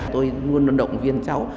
tôi luôn luôn động viên cháu